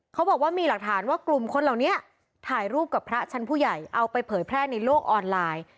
เขาบอกว่ามีหลักฐานว่ากลุ่มคนเหล่านี้ถ่ายรูปกับพระชั้นผู้ใหญ่เอาไปเผยแพร่ในโลกออนไลน์